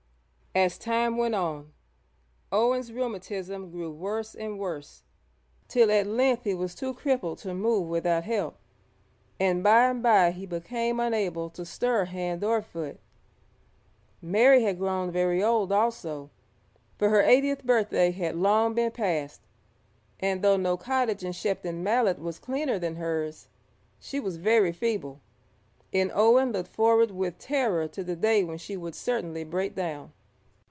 As time went on, Owen's rheumatism grew worse and worse, till at length he was too crippled to move without help, and by and bye he became unable to stir hand or foot. Mary had grown very old also, for her eightieth birthday had long been past, and though no cottage in Shepton Mallet was cleaner than hers, she was very feeble, and Owen looked forward with terror to the day when she would certainly break down.